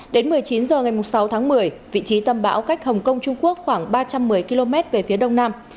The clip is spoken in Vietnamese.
đến một mươi chín h ngày sáu tháng một mươi vị trí tâm bão cách hồng kông trung quốc khoảng ba trăm một mươi km về phía đông nam